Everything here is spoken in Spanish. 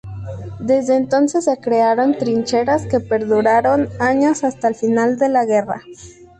Desde entonces, se crearon trincheras que perduraron años hasta el final de la guerra.